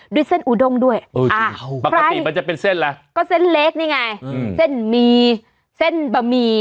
เส้นอูด้งด้วยปกติมันจะเป็นเส้นอะไรก็เส้นเล็กนี่ไงเส้นหมี่เส้นบะหมี่